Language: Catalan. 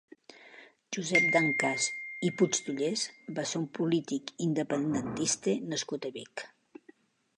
Josep Dencàs i Puigdollers va ser un polític independentista nascut a Vic.